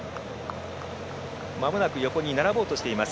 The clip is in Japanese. まもなく横に並ぼうとしています。